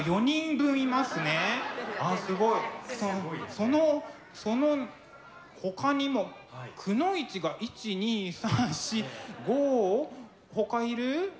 そのそのほかにもくノ一が１２３４５ほかいる？